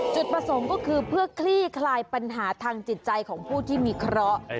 จุดประสงค์ก็คือเพื่อคลี่คลายปัญหาทางจิตใจของผู้ที่มีเคราะห์